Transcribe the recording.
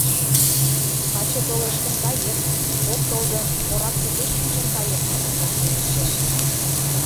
— Каче толеш гын — кает, ок тол гын — корак тупеш шинчын кает мо? — воштылеш Чачи...